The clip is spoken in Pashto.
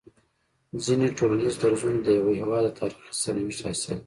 ځيني ټولنيز درځونه د يوه هيواد د تاريخي سرنوشت حاصل وي